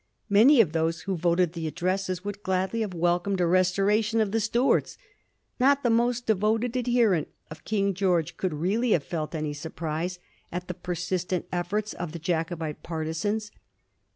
Many of those who voted the addresses would gladly have welcomed a restoration of the Stuarts. Not the most devoted adherent of King George could really have felt any surprise at the persistent efforts of the Jacobite partisans.